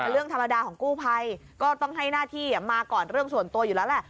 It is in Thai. เรื่องธรรมดาของกู้ภัยก็ต้องให้หน้าที่มาก่อนเรื่องส่วนตัวอยู่แล้วแหละ